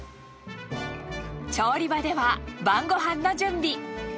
調理場では晩ごはんの準備。